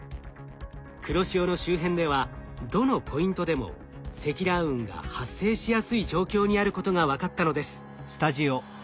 黒潮の周辺ではどのポイントでも積乱雲が発生しやすい状況にあることが分かったのです。